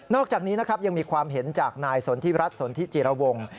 อกจากนี้นะครับยังมีความเห็นจากนายสนทิรัฐสนทิจิรวงศ์